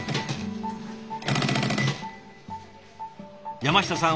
山下さん